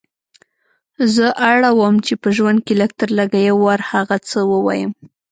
زه اړه وم په ژوند کې لږ تر لږه یو وار هغه څه ووایم.